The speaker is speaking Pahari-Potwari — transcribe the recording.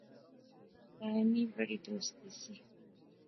دائیں نی بڑی دوستی سی